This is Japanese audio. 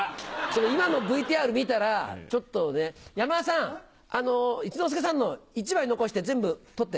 今のＶＴＲ見たら、ちょっと、山田さん、一之輔さんの１枚残して全部取って。